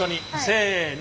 せの。